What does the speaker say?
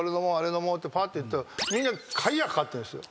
飲もうってパッていったらみんな鍵が掛かってるんですよ。